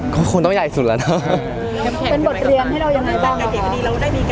คงต้องใหญ่สุดแหละเนอะ